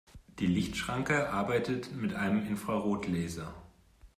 Die Lichtschranke arbeitet mit einem Infrarotlaser.